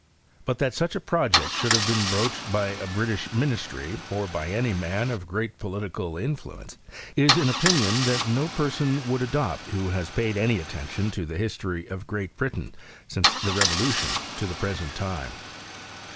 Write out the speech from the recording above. But that such a project should have been broached by a British ministry, or by any ina> ' of great political influence, is an opinion that no person would adopt who has paid any attention to the history of Great Britain since the Revolution to the present time.